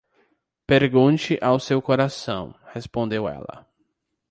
Pergunte ao seu coração, respondeu ela.